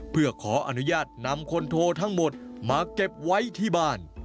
เพื่อขออนุญาตนำคนโททั้งหมดมาเก็บไว้ที่บ้าน